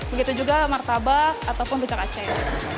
begitu juga martabak ataupun pucat acer